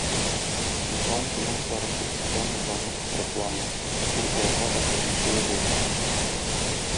Ислам финанслары традицион юлларны кысрыкламый, ул аларга альтернатива булып тора.